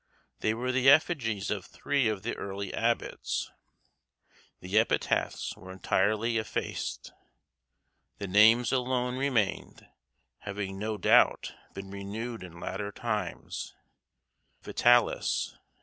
They were the effigies of three of the early abbots; the epitaphs were entirely effaced; the names alone remained, having no doubt been renewed in later times (Vitalis.